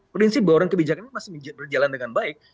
prinsip bahwa kebijakan ini masih berjalan dengan baik